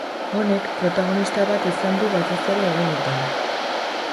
Honek, protagonista bat izan du batez ere egunotan.